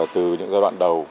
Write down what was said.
từ những giai đoạn đầu